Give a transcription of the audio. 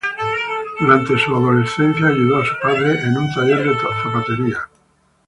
Durante su adolescencia, ayudó a su padre en su taller de zapatería.